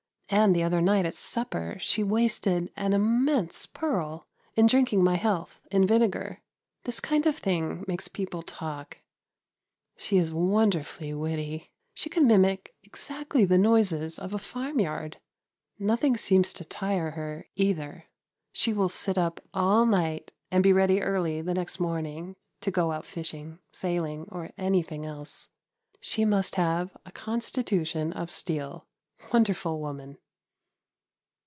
And the other night at supper she wasted an immense pearl in drinking my health in vinegar. This kind of thing makes people talk. She is wonderfully witty. She can mimic exactly the noises of a farmyard. Nothing seems to tire her, either. She will sit up all night and be ready early the next morning to go out fishing, sailing or anything else. She must have a constitution of steel. Wonderful woman!